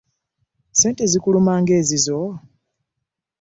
Ssente zikuluma ng'ezizo!